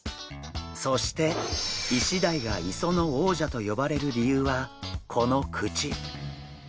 そしてイシダイが磯の王者と呼ばれる理由はこの口！